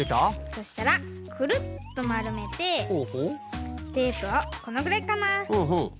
そしたらくるっとまるめてテープをこのぐらいかなペタッと。